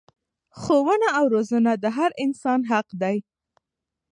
ښوونه او روزنه د هر انسان حق دی.